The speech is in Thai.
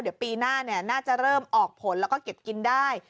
เดี๋ยวปีหน้าน่าจะเริ่มออกผลแล้วก็เก็บกินได้